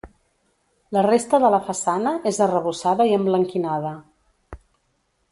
La resta de la façana és arrebossada i emblanquinada.